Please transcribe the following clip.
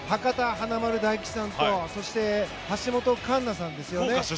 華丸・大吉さんとそして橋本環奈さんですよね。